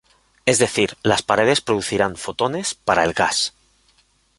Es decir, las paredes producirán fotones para el gas.